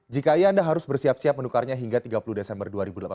jika iya anda harus bersiap siap menukarnya hingga tiga puluh desember dua ribu delapan belas